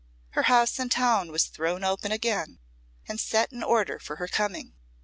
Her house in town was thrown open again, and set in order for her coming.